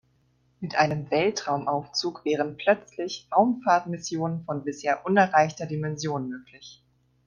Mit einem Weltraumaufzug wären plötzlich Raumfahrtmissionen von bisher unerreichter Dimension möglich.